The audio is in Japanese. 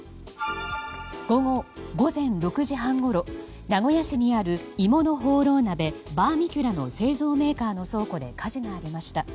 午前６時半ごろ名古屋市にある鋳物ホーロー鍋バーミキュラの製造メーカーの倉庫で火事がありました。